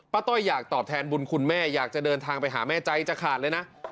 ต้อยอยากตอบแทนบุญคุณแม่อยากจะเดินทางไปหาแม่ใจจะขาดเลยนะ